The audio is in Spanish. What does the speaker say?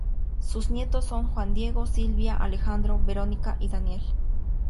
Sus nietos son: Juan Diego, Silvia, Alejandro, Veronica y Daniel.